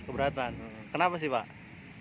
keberatan kenapa sih pak